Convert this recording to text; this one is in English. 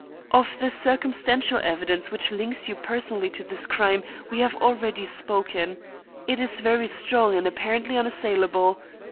Of the circumstantial evidence which links you personally to this crime, we have already spoken. It is very strong and apparently unassailable.